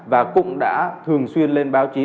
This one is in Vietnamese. và cũng đã thường xuyên lên báo chí